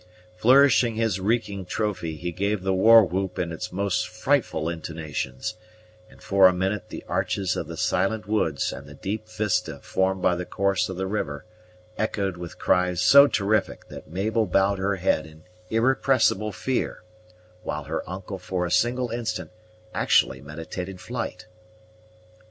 Flourishing his reeking trophy, he gave the war whoop in its most frightful intonations, and for a minute the arches of the silent woods and the deep vista formed by the course of the river echoed with cries so terrific that Mabel bowed her head in irrepressible fear, while her uncle for a single instant actually meditated flight.